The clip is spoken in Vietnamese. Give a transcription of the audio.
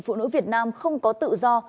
phụ nữ việt nam không có tự do